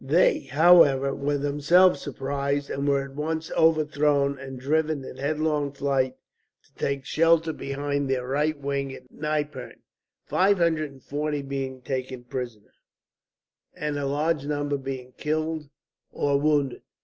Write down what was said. They, however, were themselves surprised; and were at once overthrown, and driven in headlong flight to take shelter behind their right wing at Nypern, five hundred and forty being taken prisoners, and a large number being killed or wounded.